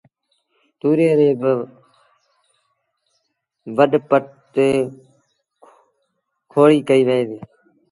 تُوريئي ريٚ با وڏُ پٽ تي کوڙيٚ ڪئيٚ وهي ديٚ